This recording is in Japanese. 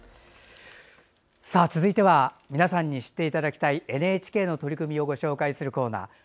続いては皆さんに知っていただきたいＮＨＫの取り組みをご紹介するコーナー